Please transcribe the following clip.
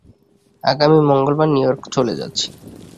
আগামী মঙ্গলবার নিউ ইয়র্কে চলে যাচ্ছি।